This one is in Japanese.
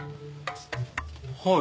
はい。